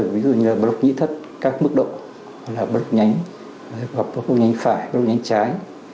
ví dụ như là blok nhĩ thất các mức độ hoặc là blok nhánh gặp blok nhánh phải blok nhánh trái